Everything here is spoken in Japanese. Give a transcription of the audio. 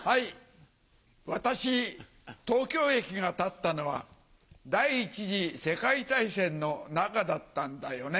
私東京駅が建ったのは第一次世界大戦の中だったんだよね。